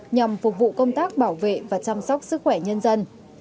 nhằm phục vụ công tác bảo vệ và chăm sóc sức khỏe nhân dân